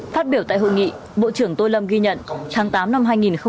phát biểu tại hội nghị bộ trưởng tô lâm ghi nhận tháng tám năm hai nghìn một mươi chín